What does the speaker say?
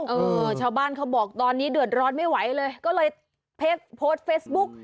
เออชาวบ้านเขาบอกตอนนี้เดือดร้อนไม่ไหวเลยก็เลยโพสต์เฟซบุ๊ก